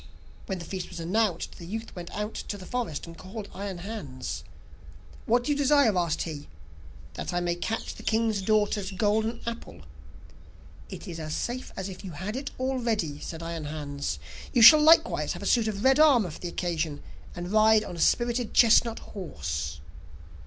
When the feast was announced, the youth went out to the forest, and called Iron Hans. 'What do you desire?' asked he. 'That I may catch the king's daughter's golden apple.' 'It is as safe as if you had it already,' said Iron Hans. 'You shall likewise have a suit of red armour for the occasion, and ride on a spirited chestnut horse.